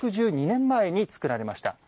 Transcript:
１６２年前に作られました。